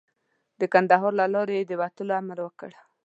د کندهار له لارې یې د وتلو امر وکړ.